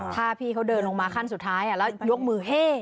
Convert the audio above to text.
ถ้าพี่เขาเดินลงมาขั้นสุดท้ายแล้วยกมือเฮ่